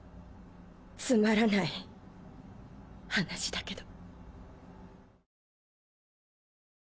つまらない話だけど。